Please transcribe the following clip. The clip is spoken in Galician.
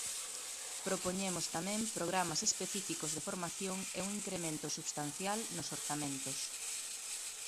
Propoñemos tamén programas específicos de formación e un incremento substancial nos orzamentos.